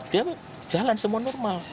dia jalan semua normal